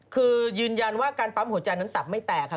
คือยืนยันว่าการปั๊มหัวใจนั้นตับไม่แตกค่ะ